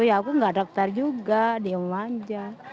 ya aku tidak daftar juga diam saja